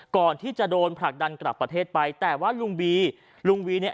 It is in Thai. ก่อนที่จะโดนผลักดันกลับประเทศไปแต่ว่าลุงบีลุงวีเนี่ย